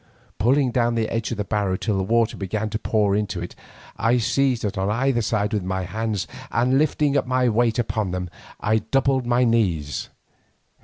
Pulling down the edge of the barrel till the water began to pour into it, I seized it on either side with my hands, and lifting my weight upon them, I doubled my knees.